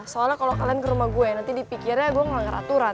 soalnya kalau kalian ke rumah gue nanti dipikirnya gue melanggar aturan